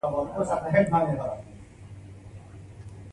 خوش اخلاقي صدقه ده.